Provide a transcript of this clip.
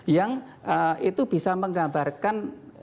yang itu bisa menggambarkan